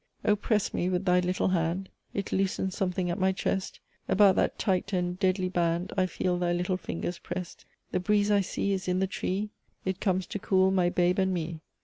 Oh! press me with thy little hand; It loosens something at my chest About that tight and deadly band I feel thy little fingers prest. The breeze I see is in the tree! It comes to cool my babe and me."